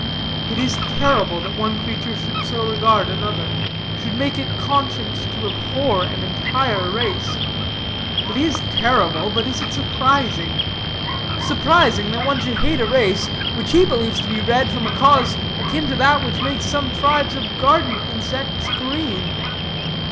It is terrible that one creature should so regard another, should make it conscience to abhor an entire race. It is terrible; but is it surprising? Surprising, that one should hate a race which he believes to be red from a cause akin to that which makes some tribes of garden insects green?